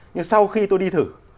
nhưng sau khi tôi đi thử